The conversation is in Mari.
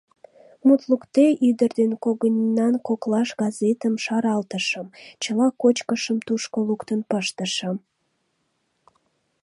Мут лукде, ӱдыр ден когыньнан коклаш газетым шаралтышым, чыла кочкышым тушко луктын пыштышым.